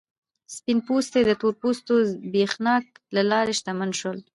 سپین پوستي د تور پوستو زبېښاک له لارې شتمن شول.